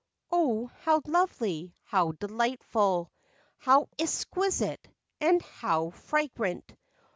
"Oh, how lovely! How delightful! How exquisite ! And how fragrant!